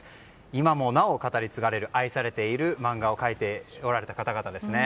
今もなお語り継がれる愛されている漫画を描いておられた方々ですね。